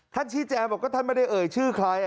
ท่านชีแจบอกก็ท่านไม่ได้เอ่ยชื่อใคร